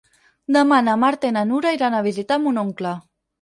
Demà na Marta i na Nura iran a visitar mon oncle.